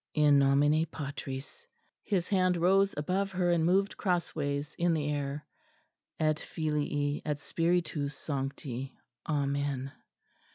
"... In nomine Patris his hand rose above her and moved cross ways in the air et Filii et Spiritus Sancti. _Amen.